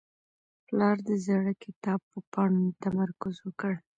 پلار د زاړه کتاب په پاڼو تمرکز وکړ.